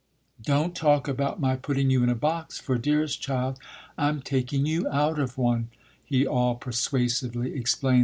Don't talk about my putting you in a box, for, dearest child, I'm taking you out of one," he all persuasively explained.